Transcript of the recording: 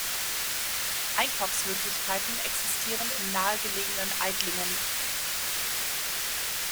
Einkaufsmöglichkeiten existieren im nahegelegenen Aidlingen.